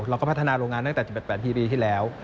เราก็พัฒนาโรงงานตั้งแต่๑๘ปีที่แล้ว